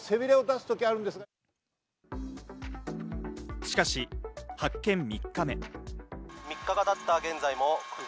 しかし、発見３日目。